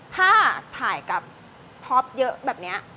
ถ้าถ่ายกับท็อปเยอะแบบนี้